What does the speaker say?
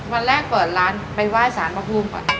วันแรกเปิดร้านไปไหว้สารพระภูมิก่อน